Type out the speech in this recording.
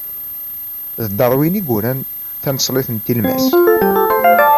D Darwin i yuran taneṣlit n tilmas.